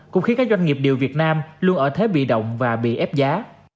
cũng khiến các doanh nghiệp điều việt nam luôn ở thế bị động và bị ép giá